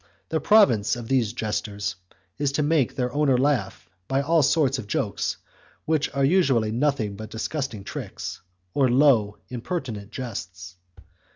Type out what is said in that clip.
The province of those jesters is to make their owner laugh by all sorts of jokes which are usually nothing but disgusting tricks, or low, impertinent jests.